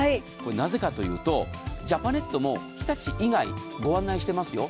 なぜかというとジャパネットも日立以外ご案内してますよ。